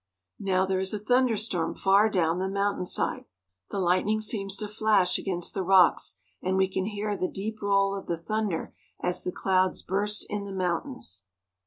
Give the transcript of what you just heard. Now there is a thunderstorm far down the mountain side. The lightning seems to flash against the rocks, and we can hear the deep roll of the thunder as the clouds burst in the mountains.